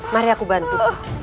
mari aku bantu